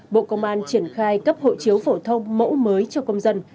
bộ công an triển khai cấp hộ chiếu phổ thông mẫu mới cho công dân